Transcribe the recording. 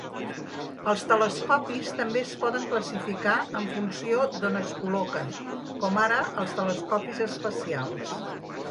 Els telescopis també es poden classificar en funció d'on es col·loquen, com ara els telescopis espacials.